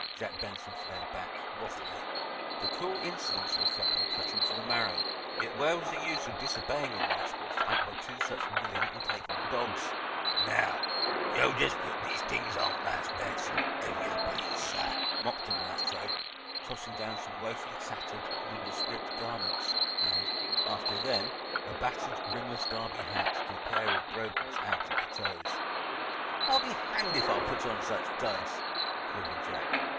Jack Benson flared back, wrathily. The cool insolence of the fellow cut him to the marrow, yet where was the use of disobeying a rascal flanked by two such willing and capable dogs? "Now, yo' jes' put dese t'ings on, Marse Benson, ef yo' please, sah," mocked the mulatto, tossing down some woefully tattered, nondescript garments, and, after them, a battered, rimless Derby hat and a pair of brogans out at the toes. "I'll be hanged if I'll put on such duds!" quivered Jack.